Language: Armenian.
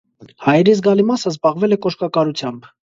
Հայերի զգալի մասը զբաղվել է կոշկակարությամբ։